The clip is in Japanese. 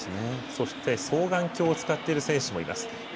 そして双眼鏡を使っている選手もいます。